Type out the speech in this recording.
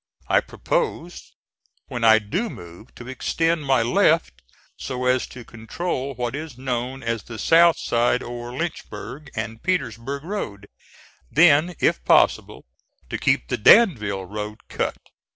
I propose, when I do move, to extend my left so as to control what is known as the South Side, or Lynchburg and Petersburg Road, then if possible to keep the Danville Road cut.